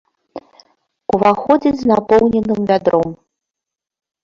Уваходзіць з напоўненым вядром.